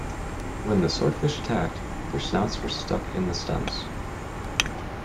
When the swordfish attacked, their snouts were stuck in the stems.